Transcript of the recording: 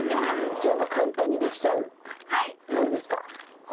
じゃあもう簡単にできちゃう料理ですか。